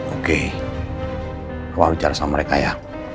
oke aku mau bicara sama mereka ya